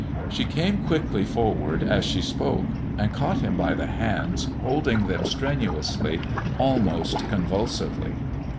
She came quickly forward as she spoke and caught him by the hands, holding them strenuously, almost convulsively.